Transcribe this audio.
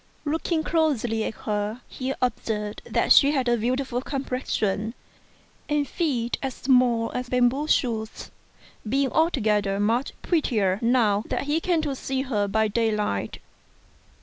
Looking closely at her, he observed that she had a beautiful complexion, and feet as small as bamboo shoots, 2 being altogether much prettier now that he came to see her by daylight.